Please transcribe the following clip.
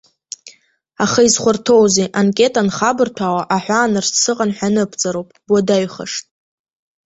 Аха изхәарҭоузеи, анкета анхабырҭәаауа аҳәаанырцә сыҟан ҳәа аныбҵароуп, буадаҩхашт.